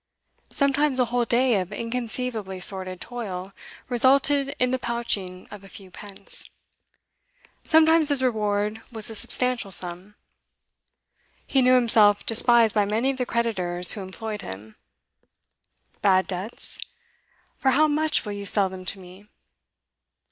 Sometimes a whole day of inconceivably sordid toil resulted in the pouching of a few pence; sometimes his reward was a substantial sum. He knew himself despised by many of the creditors who employed him. 'Bad debts? For how much will you sell them to me?